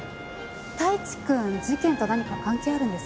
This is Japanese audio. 太一くん事件と何か関係あるんですか？